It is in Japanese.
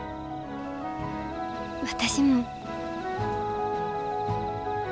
私も。